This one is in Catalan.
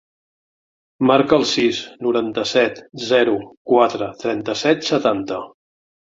Marca el sis, noranta-set, zero, quatre, trenta-set, setanta.